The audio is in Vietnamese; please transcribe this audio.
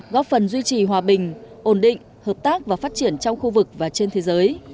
góp phần duy trì hòa bình ổn định hợp tác và phát triển trong khu vực và trên thế giới